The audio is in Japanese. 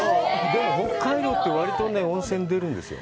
でも北海道って割と温泉出るんですよ。